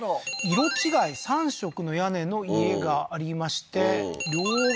色違い３色の屋根の家がありまして両側